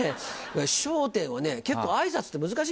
『笑点』はね結構あいさつって難しいんですよね。